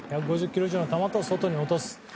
１５０キロ以上の球と外に落とす。